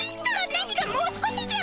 何が「もう少し」じゃ！